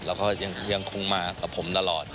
แล้วก็ยังคงมากับผมตลอด